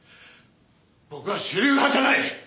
僕は主流派じゃない。